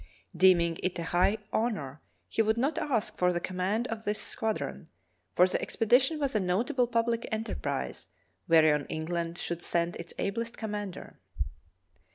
Deeming it a high honor, he would not ask for the command of this squad ron, for the expedition was a notable public enterprise whereon England should send its ablest commander.